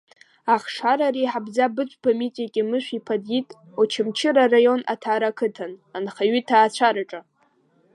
Ахшара реиҳабӡа Быҭәба Митиа Кьамышә-иԥа диит Очамчыра араион Аҭара ақыҭан, анхаҩы иҭаацәараҿы.